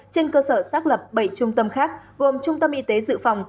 trên cơ sở xác lập bảy trung tâm khác gồm trung tâm y tế dự phòng